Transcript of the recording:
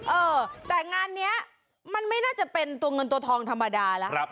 เออแต่งานนี้มันไม่น่าจะเป็นตัวเงินตัวทองธรรมดาแล้ว